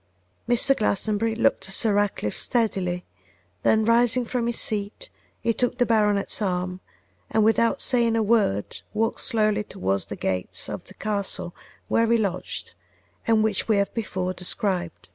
Mr. Glastonbury looked at Sir Ratcliffe steadily; then rising from his seat he took the baronet's arm, and without saying a word walked slowly towards the gates of the castle where he lodged, and which we have before described.